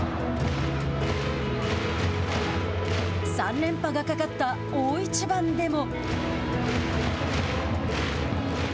３連覇がかかった大一番でも。